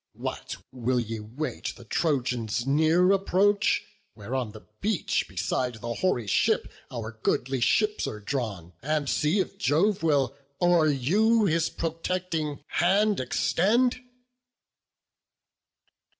What! will ye wait the Trojans' near approach, Where on the beach, beside the hoary deep, Our goodly ships are drawn, and see if Jove Will o'er you his protecting hand extend?"